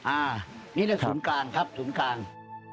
อ่านี่คือศูนย์กลางครับศูนย์กลาง